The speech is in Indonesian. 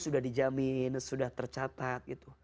sudah dijamin sudah tercatat